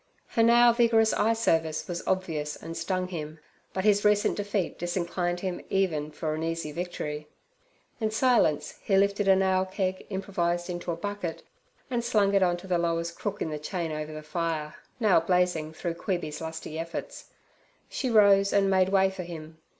Her now vigorous eye service was obvious and stung him, but his recent defeat disinclined him even for an easy victory. In silence he lifted a nail keg improvised into a bucket, and slung it on to the lowest crook in the chain over the fire, now blazing through Queeby's lusty efforts. She rose and made way for him.